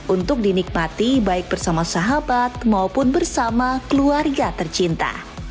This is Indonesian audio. untuk dinikmati baik bersama sahabat maupun bersama keluarga tercinta